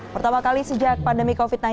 pertama kali sejak pandemi covid sembilan belas